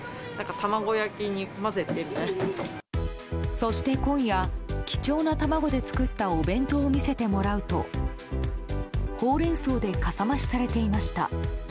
そして今夜貴重な卵で作ったお弁当を見せてもらうとホウレンソウでかさ増しされていました。